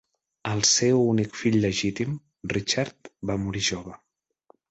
El seu únic fill legítim, Richard, va morir jove.